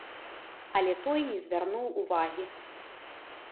Але той не звярнуў увагі.